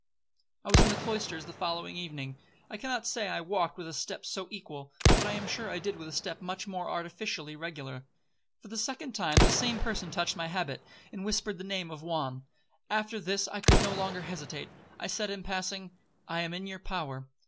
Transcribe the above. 'I was in the cloisters the following evening. I cannot say I walked with a step so equal, but I am sure I did with a step much more artificially regular. For the second time the same person touched my habit, and whispered the name of Juan. After this I could no longer hesitate. I said, in passing, 'I am in your power.'